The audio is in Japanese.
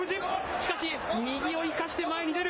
しかし右を生かして前に出る。